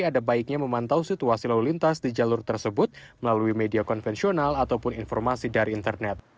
ada baiknya memantau situasi lalu lintas di jalur tersebut melalui media konvensional ataupun informasi dari internet